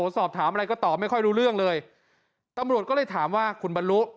สอบถามอะไรก็ตอบไม่ค่อยรู้เรื่องเลยตำรวจก็เลยถามว่าคุณบรรลุ